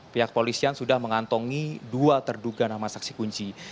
pihak polisian sudah mengantongi dua terduga nama saksi kunci